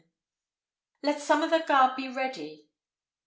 Let some o' the guard be ready.